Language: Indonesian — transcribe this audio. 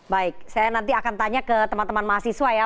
baik saya nanti akan tanya ke teman teman mahasiswa ya